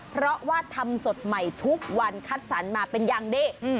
เพราะว่าทำสดใหม่ทุกวันคัดสรรมาเป็นอย่างดี